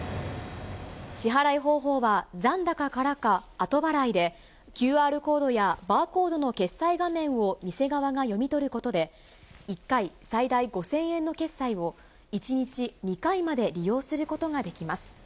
支払い方法は、残高からかあと払いで、ＱＲコードやバーコードの決済画面を店側が読み取ることで、１回最大５０００円の決済を、１日２回まで利用することができます。